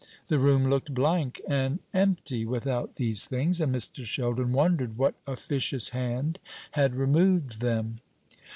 The room looked blank and empty without these things, and Mr. Sheldon wondered what officious hand had removed them.